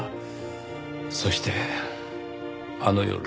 そしてあの夜。